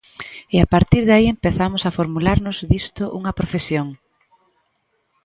E a partir de aí empezamos a formularnos disto unha profesión.